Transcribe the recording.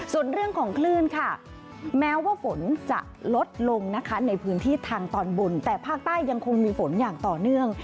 ส่วนเรื่องของคลื่นค่ะแม้ว่าฝนจะลดลงนะคะในพื้นที่ทางตอนบนแต่ภาคใต้ยังคงมีฝนอย่างต่อเนื่อง